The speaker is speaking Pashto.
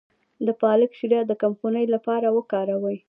د پالک شیره د کمخونۍ لپاره وکاروئ